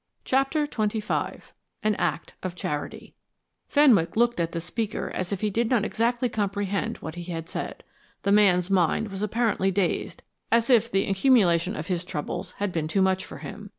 CHAPTER XXV AN ACT OF CHARITY Fenwick looked at the speaker as if he did not exactly comprehend what he had said. The man's mind was apparently dazed, as if the accumulation of his troubles had been too much for him.